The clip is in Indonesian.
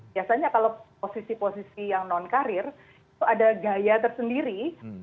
biasanya kalau posisi posisi yang non karir itu ada gaya tersendiri